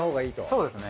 そうですね。